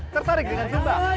tertarik dengan zumba